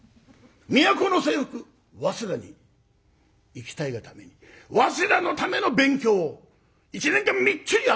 都の西北早稲田に行きたいがために早稲田のための勉強を１年間みっちりやったんです。